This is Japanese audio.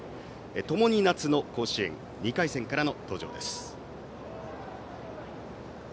ともに夏の甲子園２回戦からの登場です。